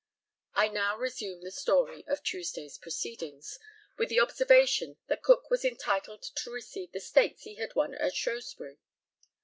I now resume the story of Tuesday's proceedings with the observation that Cook was entitled to receive the stakes he had won at Shrewsbury.